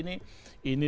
ini lebih penting